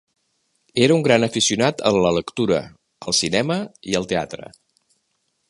Era un gran aficionat a la lectura, al cinema i al teatre.